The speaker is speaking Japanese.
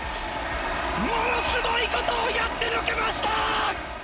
ものすごいことをやってのけました！